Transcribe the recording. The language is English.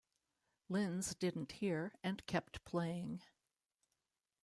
Linz didn't hear and kept playing.